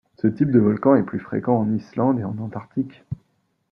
Ce type de volcans est plus fréquent en Islande et en Antarctique.